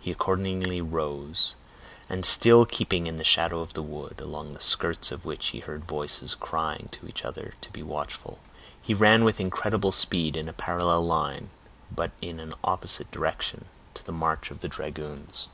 He accordingly rose, and still keeping in the shadow of the wood, along the skirts of which he heard voices crying to each other to be watchful, he ran with incredible speed in a parallel line, but in an opposite direction, to the march of the dragoons.